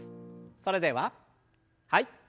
それでははい。